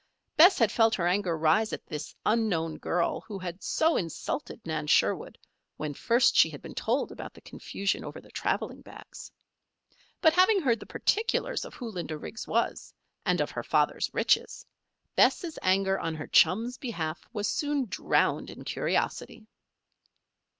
Bess had felt her anger rise at the unknown girl who so insulted Nan Sherwood, when first she had been told about the confusion over the traveling bags. But having heard the particulars of who Linda Riggs was, and of her father's riches, Bess' anger on her chum's behalf was soon drowned in curiosity.